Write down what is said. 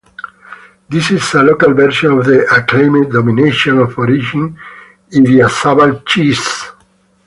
This is a local version of the acclaimed Domination of Origin Idiazabal cheese.